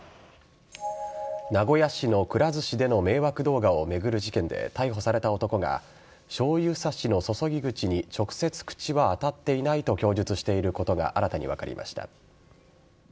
名古屋市のくら寿司での迷惑動画を巡る事件で逮捕された男がしょうゆ差しの注ぎ口に直接口は当たっていないと供述していることが新たに分かりました。